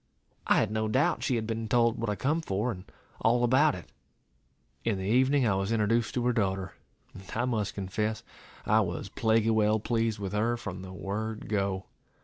I had no doubt she had been told what I come for, and all about it. In the evening I was introduced to her daughter, and I must confess, I was plaguy well pleased with her from the word go.